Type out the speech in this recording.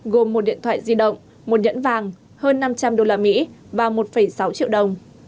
gồm một điện thoại di động một nhẫn vàng hơn năm trăm linh usd và một sáu triệu đồng